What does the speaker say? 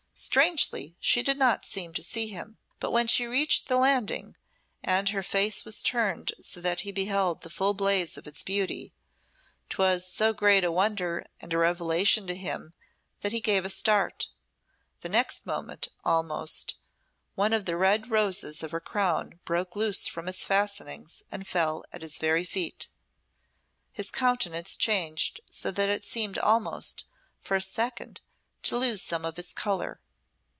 Strangely, she did not seem to see him; but when she reached the landing, and her face was turned so that he beheld the full blaze of its beauty, 'twas so great a wonder and revelation to him that he gave a start. The next moment almost, one of the red roses of her crown broke loose from its fastenings and fell at his very feet. His countenance changed so that it seemed almost, for a second, to lose some of its colour.